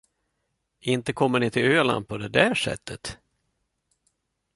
Inte kommer ni till Öland på det där sättet.